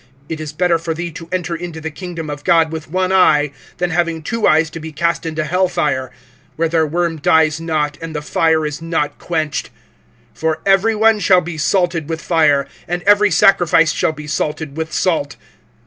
It is better for thee to enter into the kingdom of God with one eye, than having two eyes to be cast into hell fire; (48)where their worm dies not, and the fire is not quenched. (49)For every one shall be salted with fire, and every sacrifice shall be salted with salt.